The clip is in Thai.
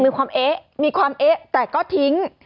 มีความเอ๊ะมีความเอ๊ะแต่ก็ทิ้ง